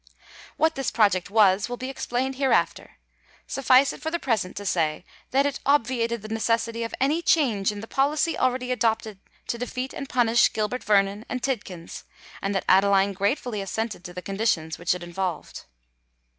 What this project was will be explained hereafter:—suffice it for the present to say that it obviated the necessity of any change in the policy already adopted to defeat and punish Gilbert Vernon and Tidkins; and that Adeline gratefully assented to the conditions which it involved.